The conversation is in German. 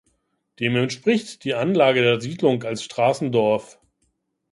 Dem entspricht die Anlage der Siedlung als Straßendorf.